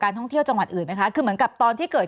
ท่องเที่ยวจังหวัดอื่นไหมคะคือเหมือนกับตอนที่เกิด